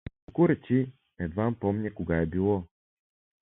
Току-речи, едвам помня кога е било.